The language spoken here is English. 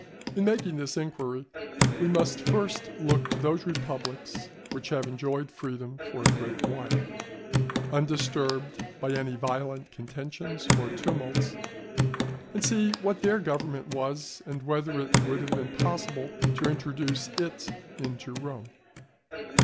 In making this inquiry we must first look to those republics which have enjoyed freedom for a great while, undisturbed by any violent contentions or tumults, and see what their government was, and whether it would have been possible to introduce it into Rome.